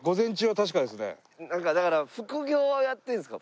なんかだから副業をやってるんですか？